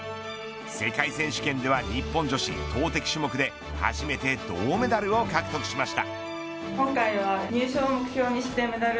世界選手権では日本女子投てき種目で初めて銅メダルを獲得しました。